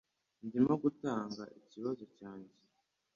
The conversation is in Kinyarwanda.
Ndimo gutanga ikibazo cyanjye